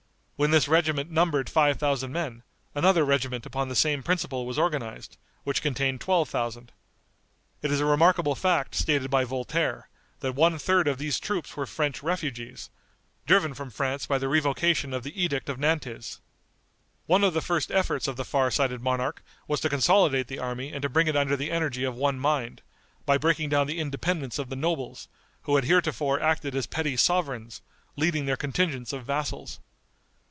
When this regiment numbered five thousand men, another regiment upon the same principle was organized, which contained twelve thousand. It is a remarkable fact stated by Voltaire, that one third of these troops were French refugees, driven from France by the revocation of the Edict of Nantes. One of the first efforts of the far sighted monarch was to consolidate the army and to bring it under the energy of one mind, by breaking down the independence of the nobles, who had heretofore acted as petty sovereigns, leading their contingents of vassals.